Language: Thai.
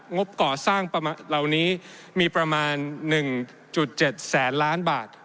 งบก่อสร้างประมาณเหล่านี้มีประมาณ๑๗แสนล้านบาท